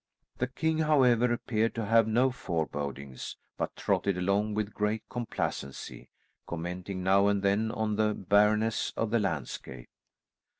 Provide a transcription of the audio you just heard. The king, however, appeared to have no forebodings, but trotted along with great complacency, commenting now and then on the barrenness of the landscape.